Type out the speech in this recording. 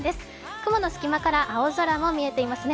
雲の隙間から青空も見えていますね。